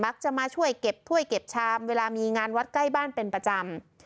จะมาช่วยเก็บถ้วยเก็บชามเวลามีงานวัดใกล้บ้านเป็นประจำ